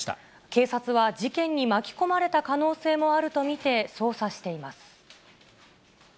警察は事件に巻き込まれた可能性もあると見て、捜査しています。